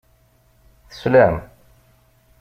Teslam.